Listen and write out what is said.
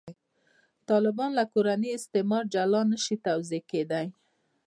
طالبان له «کورني استعماره» جلا نه شي توضیح کېدای.